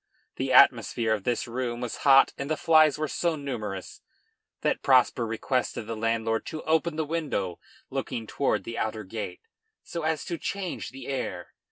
The atmosphere of this room was hot and the flies were so numerous that Prosper requested the landlord to open the window looking toward the outer gate, so as to change the air.